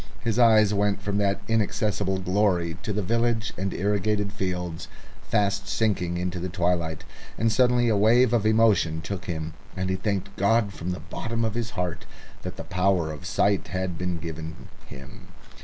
His eyes went from that inaccessible glory to the village and irrigated fields, fast sinking into the twilight, and suddenly a wave of emotion took him, and he thanked God from the bottom of his heart that the power of sight had been given him.